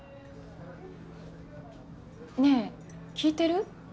ねえ聞いてる？